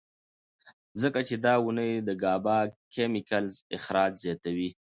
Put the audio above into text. ځکه چې دا دوائي د ګابا کېميکلز اخراج زياتوي